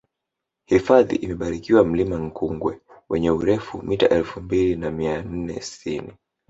hifadhi imebarikiwa mlima nkungwe wenye urefu mita elfu mbili na mia nne sitini